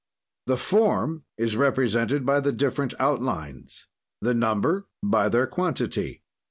"The form is represented by the different outlines. "The number by their quantity.